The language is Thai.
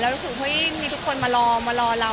รู้สึกเฮ้ยมีทุกคนมารอมารอเรา